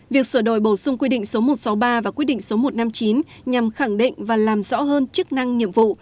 việc sửa đổi bổ sung quy định số một trăm sáu mươi ba và quy định số một trăm năm mươi chín nhằm khẳng định và làm rõ hơn chức năng nhiệm vụ